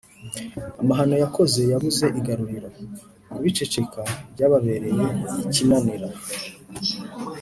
amahano yakoze yabuze igaruriro, kubiceceka byababereye ikinanira